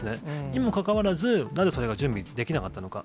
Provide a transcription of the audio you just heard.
にもかかわらず、なぜそれが準備できなかったのか。